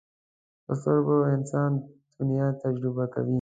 په سترګو انسان دنیا تجربه کوي